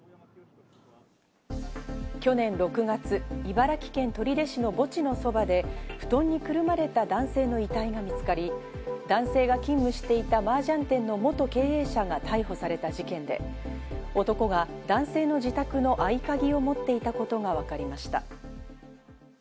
去年６月、茨城県取手市の墓地の側で、布団にくるまれた男性の遺体が見つかり、男性が勤務していたマージャン店の元経営者が逮捕された事件で男が男性の自宅の合鍵を持っていたことがわかりました。